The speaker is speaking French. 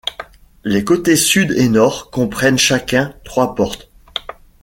Les côtés sud et nord comprennent chacun trois portes.